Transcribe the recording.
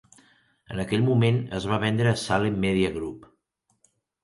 En aquell moment, es va vendre a Salem Media Group.